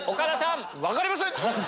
分かりませんっ！